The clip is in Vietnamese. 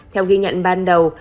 theo ghi nhận ban đầu